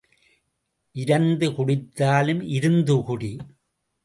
இரந்து குடித்தாலும் இருந்து குடி.